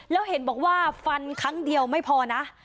แล้วเห็นบอกว่าฟันครั้งเดียวไม่พอนะ